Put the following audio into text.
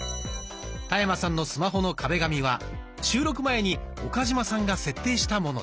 田山さんのスマホの壁紙は収録前に岡嶋さんが設定したものです。